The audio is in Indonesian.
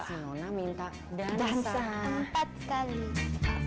semona minta dansa empat kali